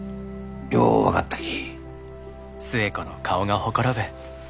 よう分かったき。